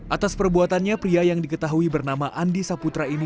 atas perbuatannya pria yang diketahui bernama andi saputra ini